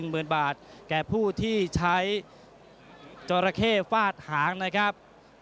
และก็๑๐๐๐๐บาทแก่ผู้ที่ใช้จอระเข้ฟาดหางนะครับ